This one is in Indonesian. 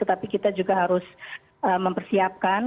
tapi kita juga harus mempersiapkan